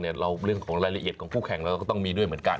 เรื่องของรายละเอียดของคู่แข่งเราก็ต้องมีด้วยเหมือนกัน